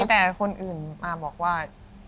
แต่คนอื่นมาบอกว่า